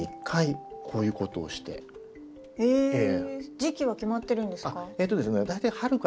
時期は決まってるんですか？